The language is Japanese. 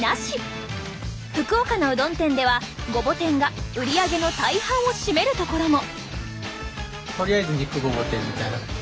福岡のうどん店ではごぼ天が売り上げの大半を占めるところも！